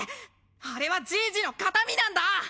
あれはじいじの形見なんだ！